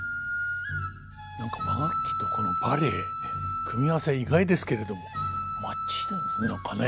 なんか和楽器とこのバレエ組み合わせが意外ですけれどもマッチしてますねなんかね。